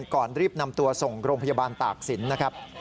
ก่อนรีบนำตัวส่งโรงพยาบาลตากศิลป์นะครับ